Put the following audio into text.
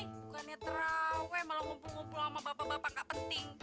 bukannya terawih malah ngumpul ngumpul sama bapak bapak gak penting